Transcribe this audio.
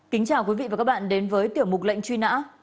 kính chào quý vị và các bạn đến với tiểu mục lệnh truy nã